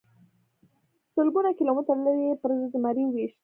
سلګونه کیلومتره لرې یې پرې زمری وويشت.